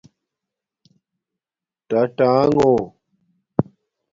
ٹآٹآنݣوں